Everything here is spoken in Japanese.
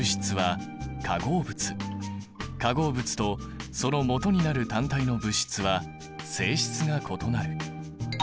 化合物とそのもとになる単体の物質は性質が異なる。